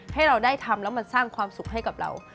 ให้เราได้ทำแล้วมันสร้างความสุขให้กับเรา